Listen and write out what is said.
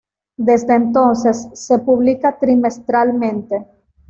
Desde entonces, se publica trimestralmente.